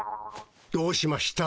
どうしました？